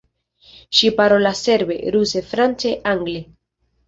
Ŝi parolas serbe, ruse, france, angle.